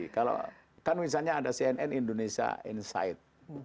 kalau kan misalnya ada cnn indonesia insight